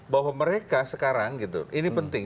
bahwa mereka sekarang gitu ini penting